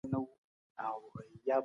د ملکیت حد باید معلوم وي.